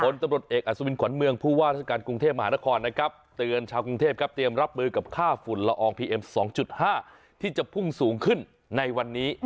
ตำรวจเอกอัศวินขวัญเมืองผู้ว่าราชการกรุงเทพมหานครนะครับเตือนชาวกรุงเทพครับเตรียมรับมือกับค่าฝุ่นละอองพีเอ็ม๒๕ที่จะพุ่งสูงขึ้นในวันนี้